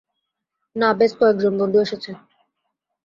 না, ব্যস কয়েকজন বন্ধু এসেছে।